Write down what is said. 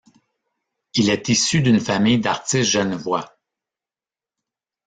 Il est issu d'une famille d'artistes genevois.